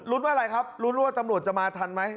ว่าอะไรครับลุ้นว่าตำรวจจะมาทันไหม